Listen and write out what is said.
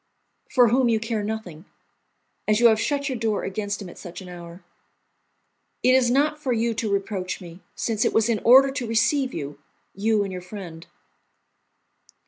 "For whom you care nothing, as you have shut your door against him at such an hour." "It is not for you to reproach me, since it was in order to receive you, you and your friend."